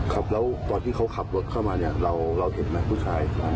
ครับแล้วตอนที่เขาขับรถเข้ามาเนี่ยเราเห็นไหมผู้ชาย